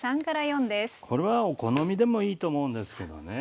これはお好みでもいいと思うんですけどね。